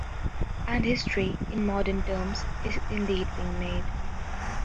And history, in modern terms, is indeed being made.